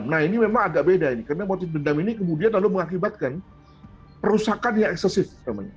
nah ini memang agak beda ini karena motif dendam ini kemudian lalu mengakibatkan perusakan yang eksesif